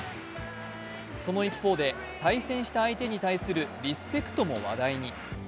その一方で、対戦した相手に対するリスペクトも話題に。